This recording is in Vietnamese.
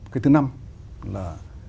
cái thứ năm là